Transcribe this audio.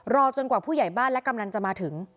จนกว่าผู้ใหญ่บ้านและกำลังจะมาถึง